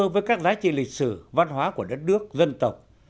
với các giá trị lịch sử văn hóa của đất nước dân tộc